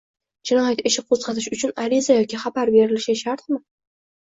Jinoyat ishi qo‘zg‘atish uchun ariza yoki xabar berilishi shartmi?